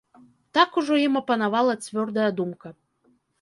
Так ужо ім апанавала цвёрдая думка.